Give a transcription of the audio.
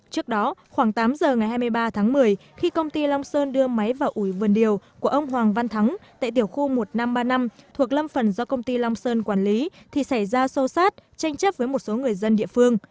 trước đó khoảng tám giờ ngày hai mươi ba tháng một mươi khi công ty long sơn đưa máy vào ủi vườn điều của ông hoàng văn thắng tại tiểu khu một nghìn năm trăm ba mươi năm thuộc lâm phần do công ty long sơn quản lý thì xảy ra sâu sát tranh chấp với một số người dân địa phương